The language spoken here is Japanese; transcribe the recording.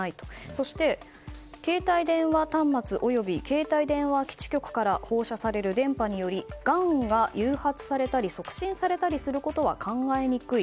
そして携帯電話端末および携帯電話基地局から放射される電波によりがんが誘発されたり促進されたりすることは考えにくい。